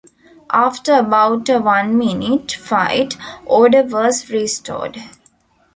After about a one-minute fight, order was restored.